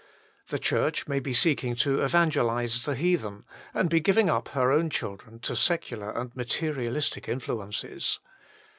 The Church may be seeking to evangelise the heathen, and be giving up her own children to secular and materialistic influences.